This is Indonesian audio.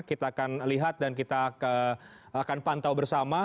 kita akan lihat dan kita akan pantau bersama